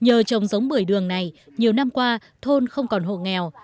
nhờ trồng giống bưởi đường này nhiều năm qua thôn không còn hộ nghèo